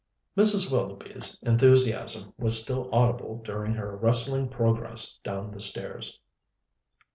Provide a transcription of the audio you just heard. Mrs. Willoughby's enthusiasm was still audible during her rustling progress down the stairs.